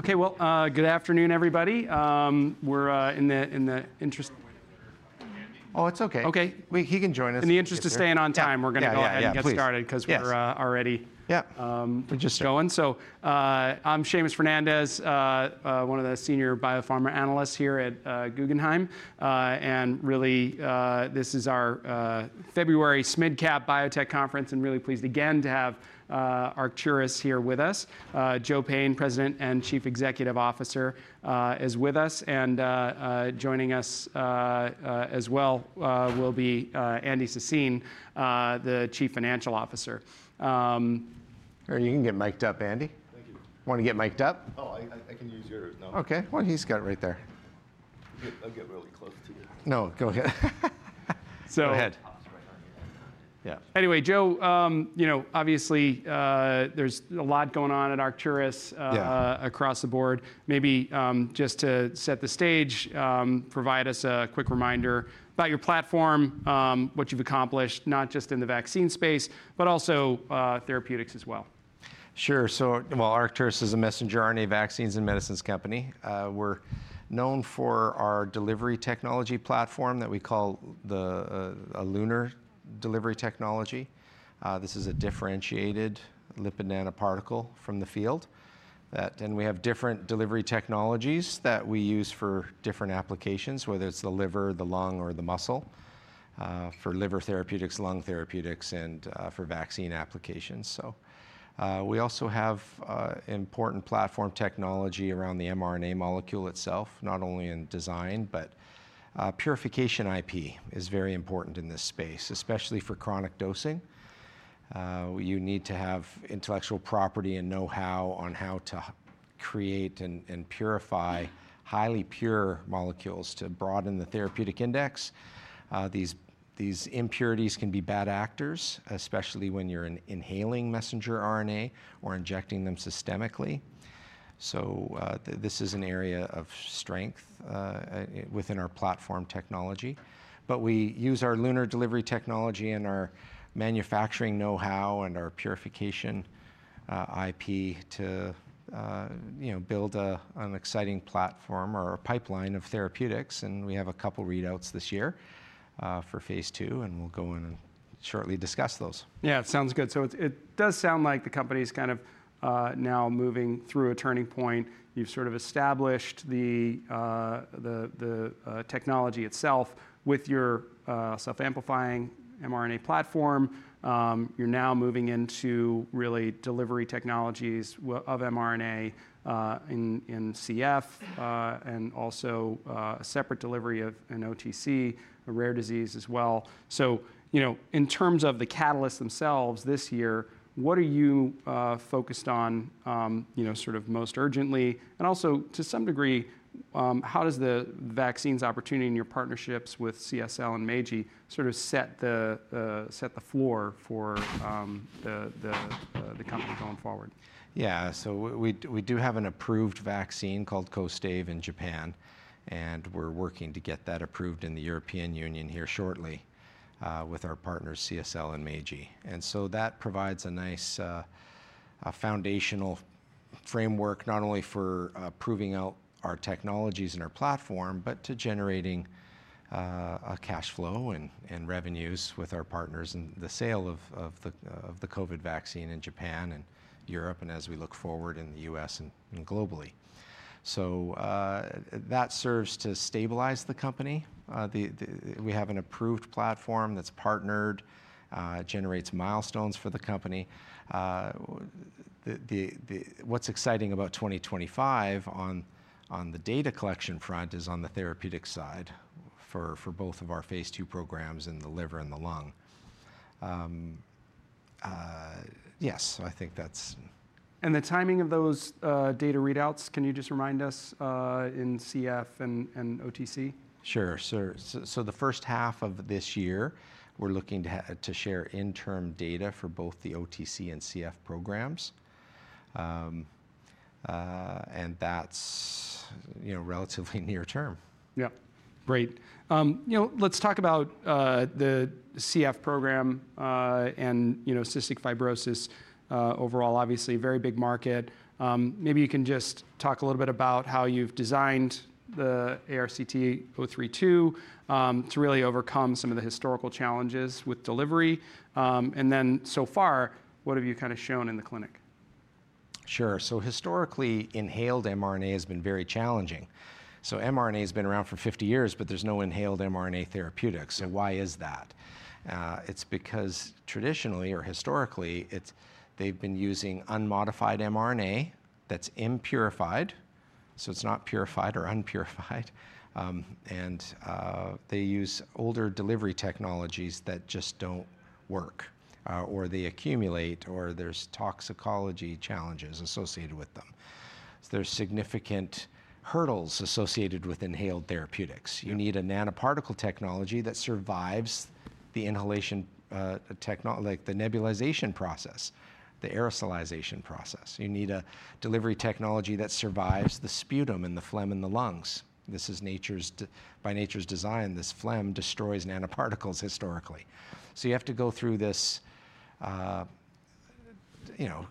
Okay, well, good afternoon, everybody. We're in the interest- Oh, it's okay. Okay. We—he can join us. In the interest of staying on time, we're gonna go ahead and get started 'cause we're already just going. I'm Seamus Fernandez, one of the senior biopharma analysts here at Guggenheim. This is our February SMID Cap Biotech Conference, and really pleased again to have Arcturus here with us. Joe Payne, President and Chief Executive Officer, is with us, and joining us as well will be Andy Sassine, the Chief Financial Officer. Or you can get mic'd up, Andy. Thank you. Wanna get mic'd up? Oh, I can use yours, no. Okay. What he's got right there. I'll get really close to you. No, go ahead. So— Go ahead. I'll just write on your head. Anyway, Joe, you know, obviously, there's a lot going on at Arcturus, across the board. Maybe, just to set the stage, provide us a quick reminder about your platform, what you've accomplished, not just in the vaccine space, but also, therapeutics as well. Sure. So well, Arcturus is a messenger RNA vaccines and medicines company. We're known for our delivery technology platform that we call LUNAR delivery technology. This is a differentiated lipid nanoparticle from the field, and we have different delivery technologies that we use for different applications, whether it's the liver, the lung, or the muscle, for liver therapeutics, lung therapeutics, and for vaccine applications. So we also have important platform technology around the mRNA molecule itself, not only in design, but purification IP is very important in this space, especially for chronic dosing. You need to have intellectual property and know-how on how to create and purify highly pure molecules to broaden the therapeutic index. These impurities can be bad actors, especially when you're inhaling messenger RNA or injecting them systemically. So this is an area of strength within our platform technology. But we use our LUNAR delivery technology and our manufacturing know-how and our purification, IP to, you know, build a, an exciting platform or a pipeline of therapeutics. And we have a couple readouts this year, for Phase II, and we'll go in and shortly discuss those. Yeah, it sounds good. So it does sound like the company's kind of now moving through a turning point. You've sort of established the technology itself with your self-amplifying mRNA platform. You're now moving into really delivery technologies with mRNA, in CF, and also a separate delivery of an OTC, a rare disease as well. So, you know, in terms of the catalysts themselves this year, what are you focused on, you know, sort of most urgently? And also, to some degree, how does the vaccines opportunity and your partnerships with CSL and Meiji sort of set the floor for the company going forward? Yeah. So we do have an approved vaccine called Kostaive in Japan, and we're working to get that approved in the European Union here shortly, with our partners CSL and Meiji. And so that provides a nice foundational framework not only for proving out our technologies and our platform, but to generating a cash flow and revenues with our partners and the sale of the COVID vaccine in Japan and Europe, and as we look forward in the U.S. and globally. So that serves to stabilize the company. We have an approved platform that's partnered, generates milestones for the company. What's exciting about 2025 on the data collection front is on the therapeutic side for both of our Phase II programs in the liver and the lung. Yes, I think that's. And the timing of those data readouts, can you just remind us in CF and OTC? Sure. So the first half of this year, we're looking to share interim data for both the OTC and CF programs, and that's, you know, relatively near term. Great. You know, let's talk about the CF program, and, you know, cystic fibrosis overall, obviously a very big market. Maybe you can just talk a little bit about how you've designed the ARCT-032 to really overcome some of the historical challenges with delivery. And then so far, what have you kind of shown in the clinic? Sure. So historically, inhaled mRNA has been very challenging. So mRNA has been around for 50 years, but there's no inhaled mRNA therapeutics. So why is that? It's because traditionally or historically, they've been using unmodified mRNA that's unpurified. So it's not purified or unpurified, and they use older delivery technologies that just don't work, or they accumulate, or there's toxicology challenges associated with them. So there's significant hurdles associated with inhaled therapeutics. You need a nanoparticle technology that survives the inhalation, like the nebulization process, the aerosolization process. You need a delivery technology that survives the sputum and the phlegm in the lungs. This is, by nature's design, this phlegm destroys nanoparticles historically. You have to go through this, you know,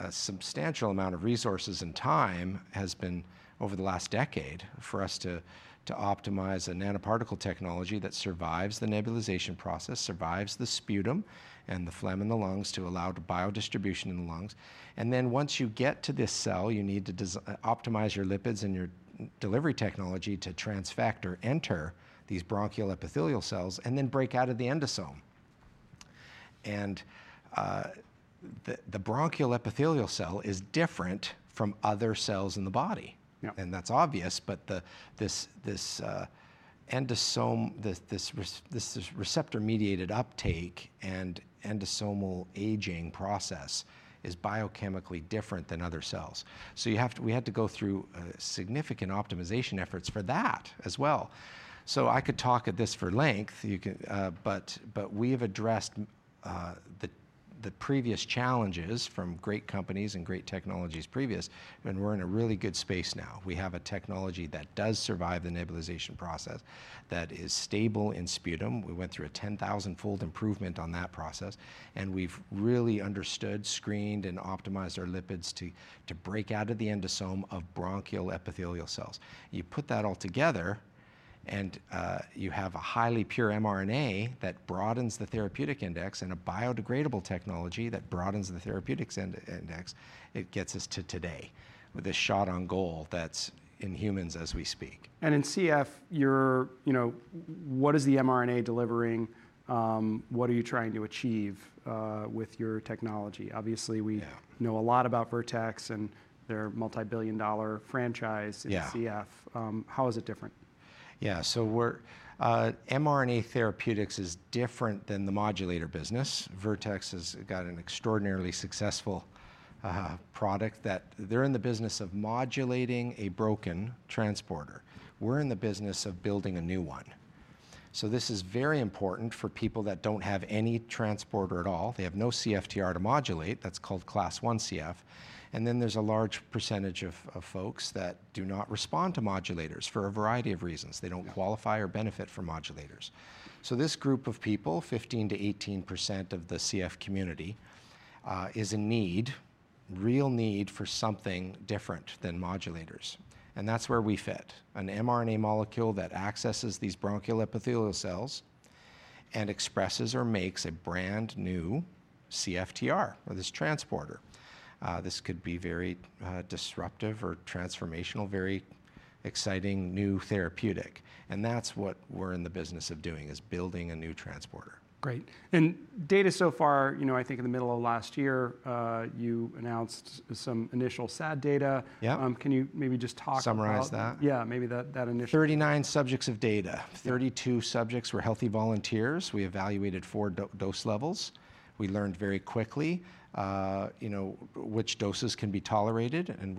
a substantial amount of resources and time has been over the last decade for us to optimize a nanoparticle technology that survives the nebulization process, survives the sputum and the phlegm in the lungs to allow biodistribution in the lungs. And then once you get to this cell, you need to design and optimize your lipids and your delivery technology to transfect, enter these bronchial epithelial cells, and then break out of the endosome. The bronchial epithelial cell is different from other cells in the body. That's obvious, but this endosome, this receptor-mediated uptake and endosomal escape process is biochemically different than other cells. So we had to go through significant optimization efforts for that as well. So I could talk about this at length. But we've addressed the previous challenges from great companies and great technologies previously, and we're in a really good space now. We have a technology that does survive the nebulization process that is stable in sputum. We went through a 10,000-fold improvement on that process, and we've really understood, screened, and optimized our lipids to break out of the endosome of bronchial epithelial cells. You put that all together and you have a highly pure mRNA that broadens the therapeutic index and a biodegradable technology that broadens the therapeutic index. It gets us to today with a shot on goal that's in humans as we speak. And in CF, you're, you know, what is the mRNA delivering? What are you trying to achieve with your technology? Obviously, we Know a lot about Vertex and their multi-billion-dollar franchise in CF. How is it different? Yeah. So we're mRNA therapeutics is different than the modulator business. Vertex has got an extraordinarily successful product that they're in the business of modulating a broken transporter. We're in the business of building a new one. So this is very important for people that don't have any transporter at all. They have no CFTR to modulate. That's called Class I CF. And then there's a large percentage of folks that do not respond to modulators for a variety of reasons. They don't qualify or benefit from modulators. So this group of people, 15%-18% of the CF community, is in need, real need for something different than modulators. And that's where we fit. An mRNA molecule that accesses these bronchial epithelial cells and expresses or makes a brand new CFTR or this transporter. This could be very disruptive or transformational, very exciting new therapeutic. That's what we're in the business of doing is building a new transporter. Great. And data so far, you know, I think in the middle of last year, you announced some initial SAD data. Can you maybe just talk about that? Summarize that? Yeah. Maybe that initial. 39 subjects of data. 32 subjects were healthy volunteers. We evaluated four dose levels. We learned very quickly, you know, which doses can be tolerated and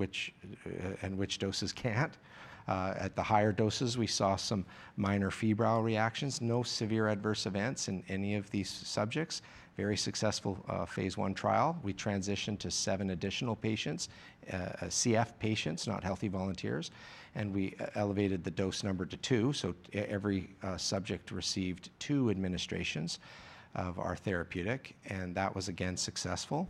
which doses can't. At the higher doses, we saw some minor febrile reactions. No severe adverse events in any of these subjects. Very successful Phase I trial. We transitioned to seven additional patients, CF patients, not healthy volunteers, and we elevated the dose number to two, so every subject received two administrations of our therapeutic, and that was again successful.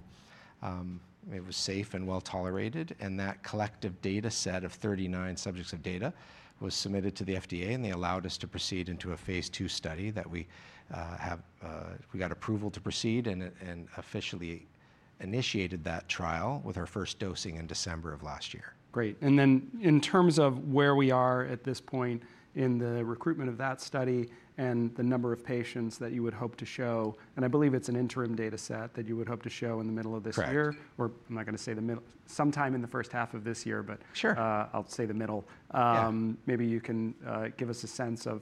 It was safe and well tolerated, and that collective data set of 39 subjects of data was submitted to the FDA, and they allowed us to proceed into a Phase II study that we have, we got approval to proceed and officially initiated that trial with our first dosing in December of last year. Great. And then in terms of where we are at this point in the recruitment of that study and the number of patients that you would hope to show, and I believe it's an interim data set that you would hope to show in the middle of this year? Correct. Or, I'm not gonna say the middle, sometime in the first half of this year, but I'll say the middle. Maybe you can give us a sense of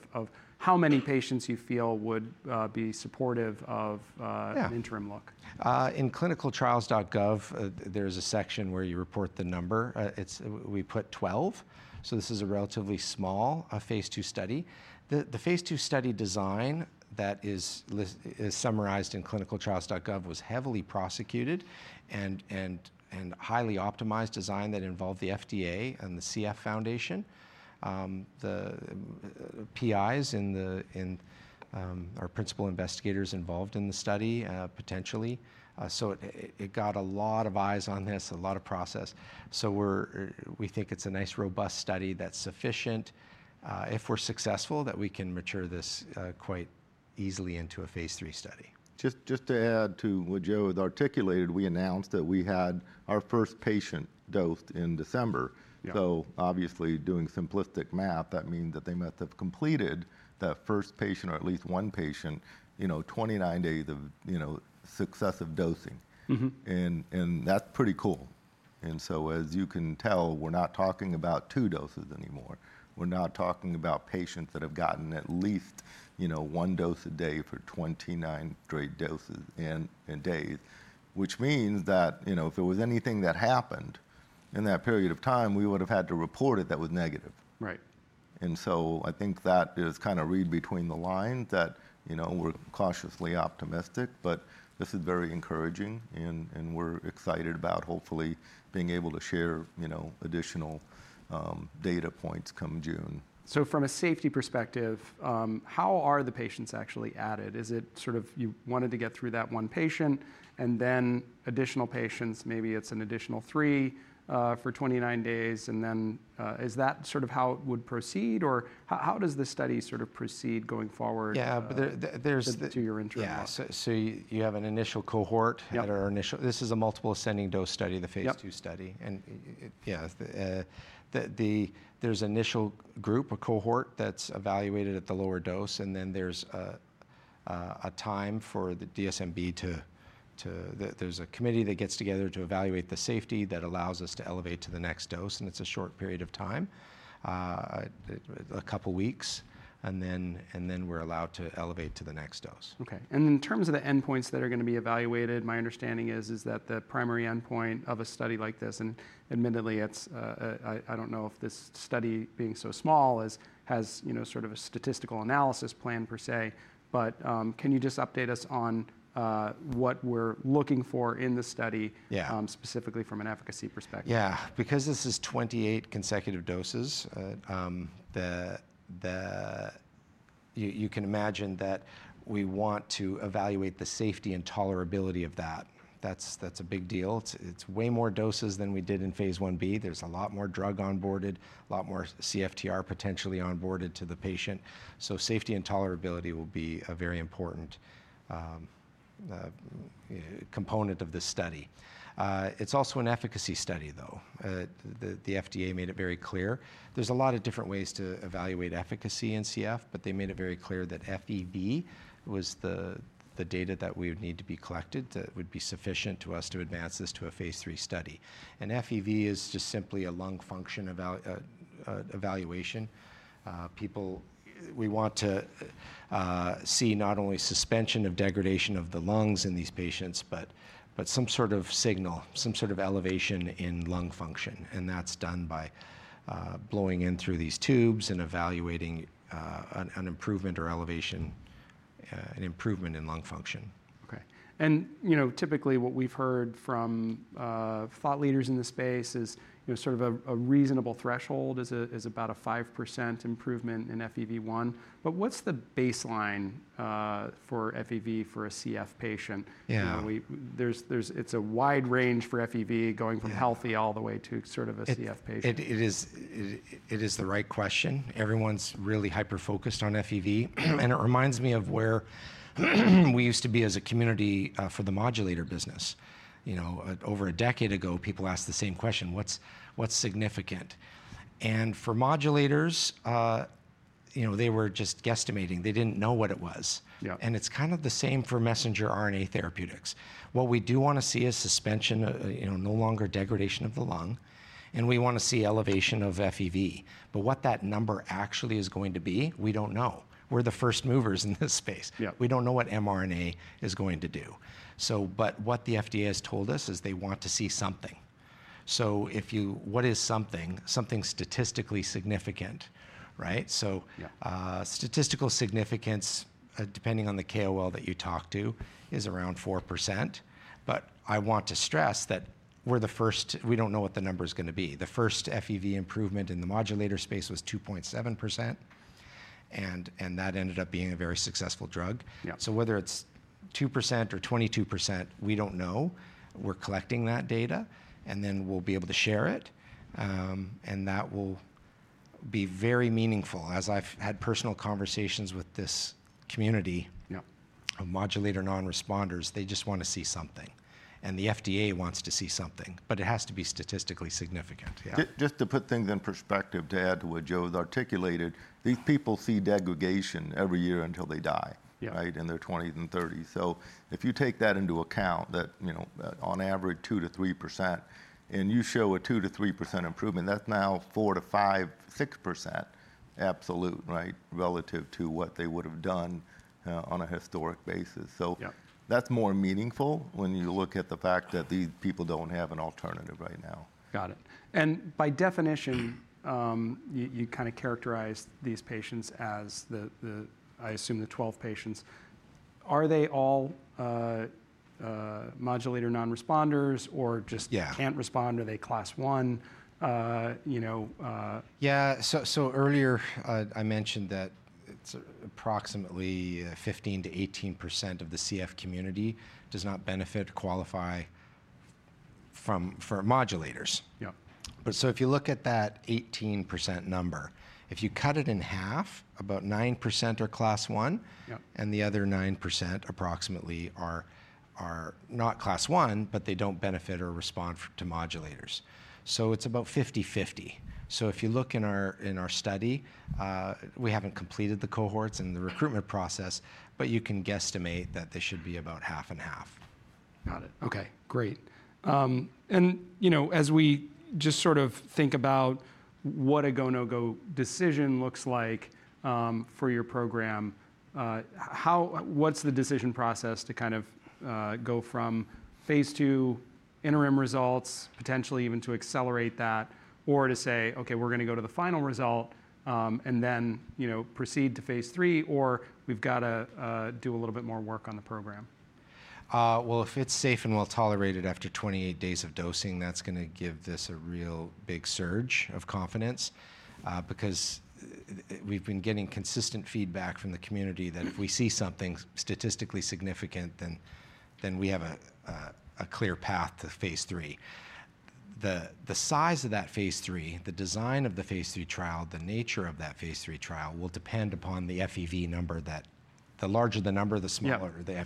how many patients you feel would be supportive of an interim look. Yeah. In ClinicalTrials.gov, there's a section where you report the number. It's, we put 12. So this is a relatively small, Phase II study. The Phase II study design that is summarized in ClinicalTrials.gov was heavily vetted and highly optimized design that involved the FDA and the CF Foundation, the PIs, our principal investigators involved in the study, potentially. It got a lot of eyes on this, a lot of process. We think it's a nice robust study that's sufficient, if we're successful, that we can mature this, quite easily into a Phase III study. Just to add to what Joe had articulated, we announced that we had our first patient dosed in December. So obviously doing simplistic math, that means that they must have completed that first patient or at least one patient, you know, 29 days of, you know, successive dosing. That's pretty cool. So as you can tell, we're not talking about two doses anymore. We're not talking about patients that have gotten at least, you know, one dose a day for 29 straight doses and days, which means that, you know, if there was anything that happened in that period of time, we would've had to report it that was negative. I think that is kind of read between the lines that, you know, we're cautiously optimistic, but this is very encouraging and we're excited about hopefully being able to share, you know, additional data points come June. So from a safety perspective, how are the patients actually added? Is it sort of you wanted to get through that one patient and then additional patients, maybe it's an additional three, for 29 days? And then, is that sort of how it would proceed or how does the study sort of proceed going forward? Yeah. But there's- To your interim. Yeah. So you have an initial cohort. That are initial. This is a multiple ascending dose study, the Phase II study. There's an initial group, a cohort that's evaluated at the lower dose. Then there's a time for the DSMB, that there's a committee that gets together to evaluate the safety that allows us to elevate to the next dose. It's a short period of time, a couple weeks. Then we're allowed to elevate to the next dose. Okay. And in terms of the endpoints that are gonna be evaluated, my understanding is that the primary endpoint of a study like this, and admittedly it's, I don't know if this study being so small as has, you know, sort of a statistical analysis plan per se, but, can you just update us on what we're looking for in the study? Specifically from an efficacy perspective. Yeah. Because this is 28 consecutive doses, you can imagine that we want to evaluate the safety and tolerability of that. That's a big deal. It's way more doses than we did in Phase 1b. There's a lot more drug onboarded, a lot more CFTR potentially onboarded to the patient. So safety and tolerability will be a very important component of this study. It's also an efficacy study though. The FDA made it very clear. There's a lot of different ways to evaluate efficacy in CF, but they made it very clear that FEV was the data that we would need to be collected that would be sufficient to us to advance this to a Phase III study, and FEV is just simply a lung function evaluation. People, we want to see not only suspension of degradation of the lungs in these patients, but some sort of signal, some sort of elevation in lung function. And that's done by blowing in through these tubes and evaluating an improvement or elevation, an improvement in lung function. Okay. And, you know, typically what we've heard from thought leaders in the space is, you know, sort of a reasonable threshold is about a 5% improvement in FEV1. But what's the baseline for FEV for a CF patient? You know, it's a wide range for FEV going from healthy all the way to sort of a CF patient. It is the right question. Everyone's really hyper-focused on FEV, and it reminds me of where we used to be as a community, for the modulator business. You know, over a decade ago, people asked the same question, what's significant, and for modulators, you know, they were just guesstimating. They didn't know what it was. And it's kind of the same for messenger RNA therapeutics. What we do wanna see is suspension, you know, no longer degradation of the lung. And we wanna see elevation of FEV. But what that number actually is going to be, we don't know. We're the first movers in this space. We don't know what mRNA is going to do. So, but what the FDA has told us is they want to see something. So if you, what is something, something statistically significant, right? So Statistical significance, depending on the KOL that you talk to, is around 4%. But I want to stress that we're the first, we don't know what the number's gonna be. The first FEV improvement in the modulator space was 2.7%. And that ended up being a very successful drug. So whether it's 2% or 22%, we don't know. We're collecting that data, and then we'll be able to share it. And that will be very meaningful. As I've had personal conversations with this community. Of modulator non-responders, they just wanna see something. And the FDA wants to see something, but it has to be statistically significant. Yeah. Just to put things in perspective, to add to what Joe has articulated, these people see degradation every year until they die. Right? In their 20s and 30s. So if you take that into account that, you know, on average 2%-3%, and you show a 2%-3% improvement, that's now 4%-5%, 6% absolute, right? Relative to what they would've done, on a historic basis. So that's more meaningful when you look at the fact that these people don't have an alternative right now. Got it. And by definition, you kind of characterized these patients as the, I assume, the 12 patients. Are they all modulator non-responders or just? Can't respond, are they class I, you know? Earlier, I mentioned that it's approximately 15%-18% of the CF community does not benefit, qualify from, for modulators. But so if you look at that 18% number, if you cut it in half, about 9% are Class I. The other 9% approximately are not Class I, but they don't benefit or respond to modulators. It's about 50/50. If you look in our study, we haven't completed the cohorts and the recruitment process, but you can guesstimate that they should be about half and half. Got it. Okay. Great. And, you know, as we just sort of think about what a go/no-go decision looks like, for your program, how, what's the decision process to kind of, go from Phase II interim results, potentially even to accelerate that, or to say, okay, we're gonna go to the final result, and then, you know, proceed to Phase III, or we've gotta do a little bit more work on the program? If it's safe and well tolerated after 28 days of dosing, that's gonna give this a real big surge of confidence, because we've been getting consistent feedback from the community that if we see something statistically significant, then we have a clear path to Phase III. The size of that Phase III, the design of the Phase III trial, the nature of that Phase III trial will depend upon the FEV number that the larger the number, the smaller. Yeah.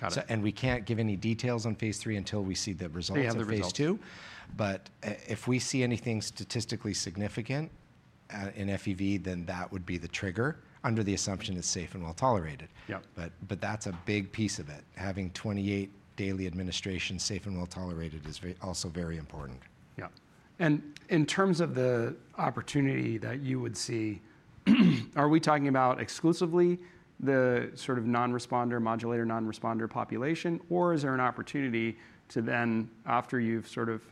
Got it. We can't give any details on Phase III until we see the results of Phase II. We have the results. If we see anything statistically significant in FEV, then that would be the trigger under the assumption it's safe and well tolerated. But that's a big piece of it. Having 28 daily administrations safe and well tolerated is very, also very important. And in terms of the opportunity that you would see, are we talking about exclusively the sort of non-responder, modulator non-responder population, or is there an opportunity to then, after you've sort of,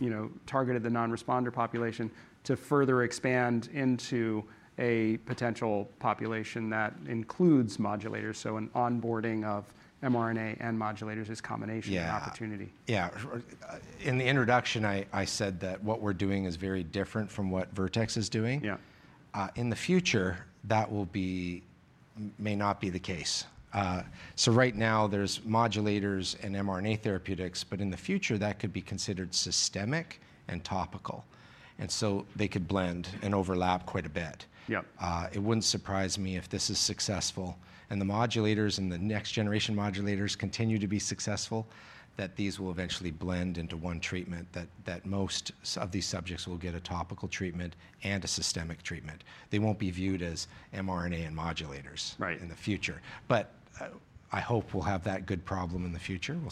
you know, targeted the non-responder population, to further expand into a potential population that includes modulators? So an onboarding of mRNA and modulators is combination opportunity. Yeah. In the introduction, I said that what we're doing is very different from what Vertex is doing. In the future, that may not be the case, so right now there's modulators and mRNA therapeutics, but in the future that could be considered systemic and topical, and so they could blend and overlap quite a bit. It wouldn't surprise me if this is successful and the modulators and the next generation modulators continue to be successful, that these will eventually blend into one treatment that most of these subjects will get a topical treatment and a systemic treatment. They won't be viewed as mRNA and modulators in the future. But I hope we'll have that good problem in the future. We'll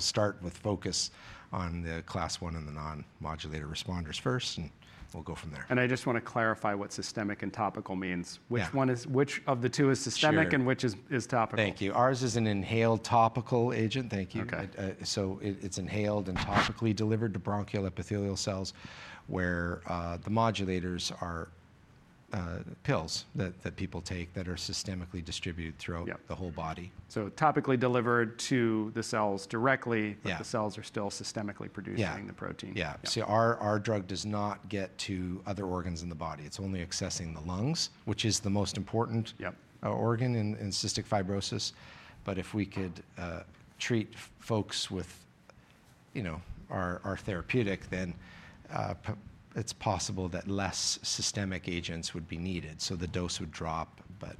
start with focus on the Class I and the non-modulator responders first, and we'll go from there. I just wanna clarify what systemic and topical means. Which of the two is systemic and which is topical? Thank you. Ours is an inhaled topical agent. Thank you. It's inhaled and topically delivered to bronchial epithelial cells, where the modulators are pills that people take that are systemically distributed throughout. The whole body. Topically delivered to the cells directly but the cells are still systemically producing- Yeah. -the protein. Yeah. See, our drug does not get to other organs in the body. It's only accessing the lungs, which is the most important. organ in cystic fibrosis. But if we could treat folks with, you know, our therapeutic, then it's possible that less systemic agents would be needed. So the dose would drop, but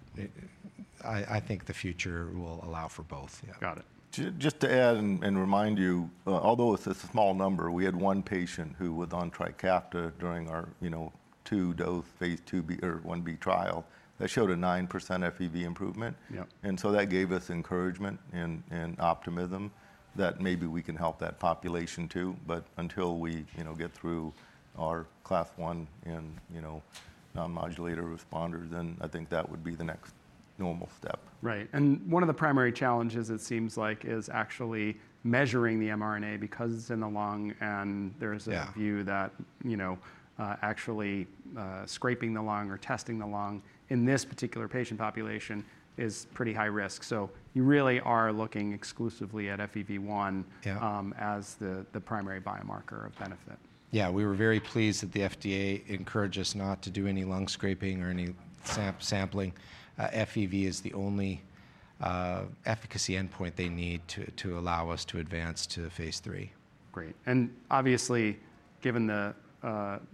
I think the future will allow for both. Got it. Just to add and remind you, although it's a small number, we had one patient who was on Trikafta during our, you know, two dose Phase IIb or Ib trial that showed a 9% FEV improvement. And so that gave us encouragement and optimism that maybe we can help that population too. But until we, you know, get through our Class I and, you know, non-modulator responders, then I think that would be the next normal step. Right. And one of the primary challenges it seems like is actually measuring the mRNA because it's in the lung and there's given that, you know, actually, scraping the lung or testing the lung in this particular patient population is pretty high risk. So you really are looking exclusively at FEV1 as the primary biomarker of benefit. Yeah. We were very pleased that the FDA encouraged us not to do any lung scraping or any sampling. FEV is the only efficacy endpoint they need to allow us to advance to Phase III. Great. And obviously, given the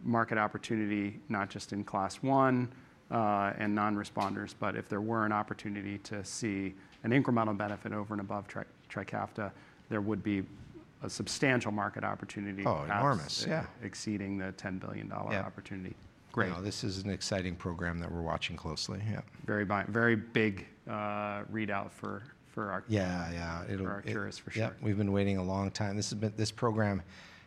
market opportunity, not just in class one and non-responders, but if there were an opportunity to see an incremental benefit over and above Trikafta, there would be a substantial market opportunity- Oh, enormous. -to pass. Yeah. Exceeding the $10 billion opportunity. Yeah. Great. You know, this is an exciting program that we're watching closely. Very big readout for our- Yeah. Yeah. It'll. -for Arcturus, for sure. Yeah. We've been waiting a long time. This has been, this program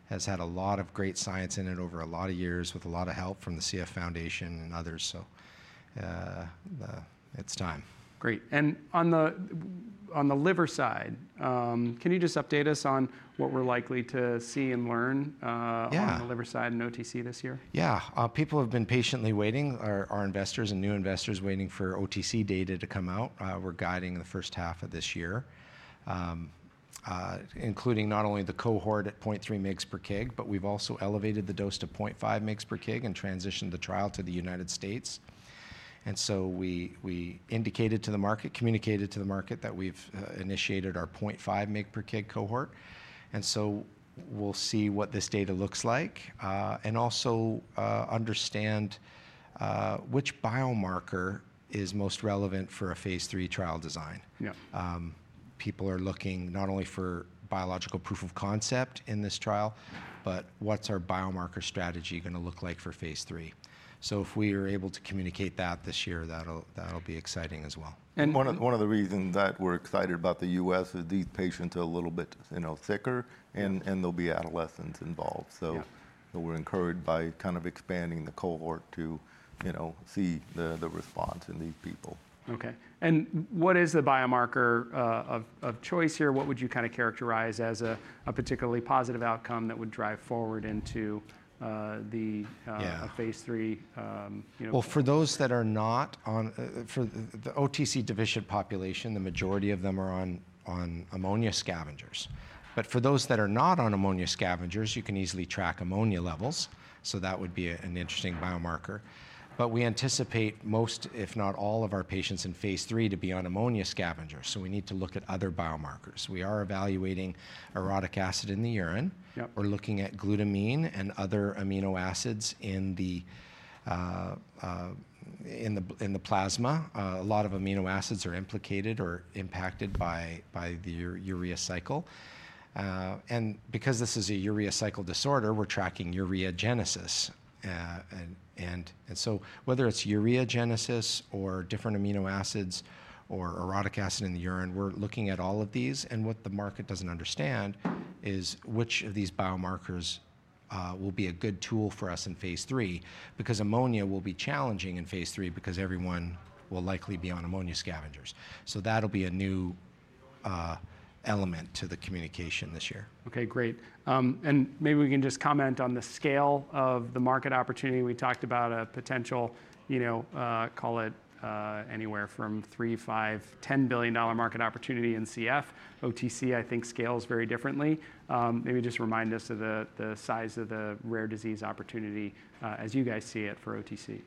has had a lot of great science in it over a lot of years with a lot of help from the CF Foundation and others. So, it's time. Great. On the liver side, can you just update us on what we're likely to see and learn on the liver side in OTC this year? Yeah. People have been patiently waiting, our investors and new investors waiting for OTC data to come out. We're guiding the first half of this year, including not only the cohort at 0.3 mg/kg, but we've also elevated the dose to 0.5 mg/kg and transitioned the trial to the United States, and so we indicated to the market, communicated to the market that we've initiated our 0.5 mg/kg cohort, and so we'll see what this data looks like, and also understand which biomarker is most relevant for a Phase III trial design. People are looking not only for biological proof of concept in this trial, but what's our biomarker strategy gonna look like for Phase III? If we are able to communicate that this year, that'll be exciting as well. And one of, one of the reasons that we're excited about the U.S. is these patients are a little bit, you know, thicker and, and there'll be adolescents involved. So we're encouraged by kind of expanding the cohort to, you know, see the response in these people. Okay. And what is the biomarker of choice here? What would you kind of characterize as a particularly positive outcome that would drive forward into the, A Phase III, you know. For those that are not on, for the OTC deficient population, the majority of them are on ammonia scavengers. But for those that are not on ammonia scavengers, you can easily track ammonia levels. So that would be an interesting biomarker. But we anticipate most, if not all, of our patients in Phase III to be on ammonia scavengers. So we need to look at other biomarkers. We are evaluating orotic acid in the urine. We're looking at glutamine and other amino acids in the plasma. A lot of amino acids are implicated or impacted by the urea cycle. And because this is a urea cycle disorder, we're tracking ureagenesis, and so whether it's ureagenesis or different amino acids or orotic acid in the urine, we're looking at all of these. And what the market doesn't understand is which of these biomarkers will be a good tool for us in Phase III, because ammonia will be challenging in Phase III because everyone will likely be on ammonia scavengers. So that'll be a new element to the communication this year. Great. And maybe we can just comment on the scale of the market opportunity. We talked about a potential, you know, call it, anywhere from $3 billion, $5 billion, $10 billion market opportunity in CF. OTC, I think scales very differently. Maybe just remind us of the size of the rare disease opportunity, as you guys see it for OTC.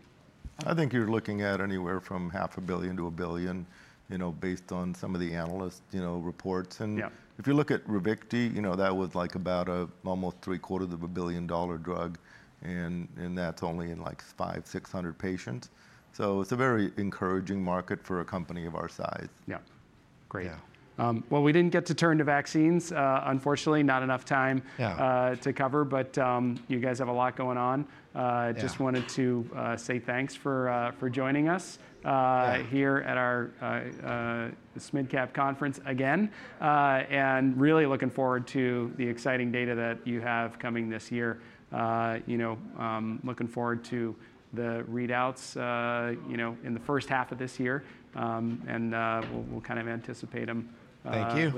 I think you're looking at anywhere from $500 million-$1 billion, you know, based on some of the analysts, you know, reports. If you look at Ravicti, you know, that was like about almost three quarters of a billion dollar drug. And that's only in like 500-600 patients. So it's a very encouraging market for a company of our size. Yeah. Great. Well, we didn't get to turn to vaccines. Unfortunately, not enough time. to cover, but you guys have a lot going on. Just wanted to say thanks for joining us Here at our SMid Cap conference again, and really looking forward to the exciting data that you have coming this year. You know, looking forward to the readouts, you know, in the first half of this year, and we'll, we'll kind of anticipate 'em. Thank you.